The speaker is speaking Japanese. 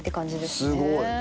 すごい。